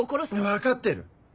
分かってる！